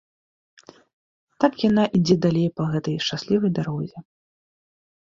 Так яна ідзе далей па гэтай шчаслівай дарозе.